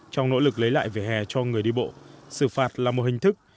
trong nỗ lực lấy lại về hè cho người đi bộ xử phạt là một hình thức